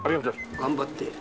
頑張って。